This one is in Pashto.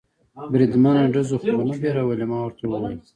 بریدمنه، ډزو خو و نه بیرولې؟ ما ورته وویل.